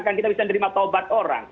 kan kita bisa menerima taubat orang